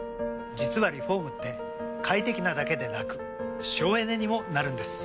実はリフォームって快適なだけでなく省エネにもなるんです。